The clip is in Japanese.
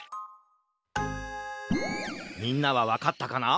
みんなはわかったかな？